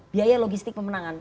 biaya logistik pemenangan